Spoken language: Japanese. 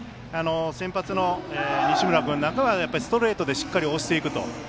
先発の西村君なんかがやっぱりストレートでしっかり押していくと。